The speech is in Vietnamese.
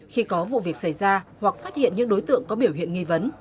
khi có vụ việc xảy ra hoặc phát hiện những đối tượng có biểu hiện nghi vấn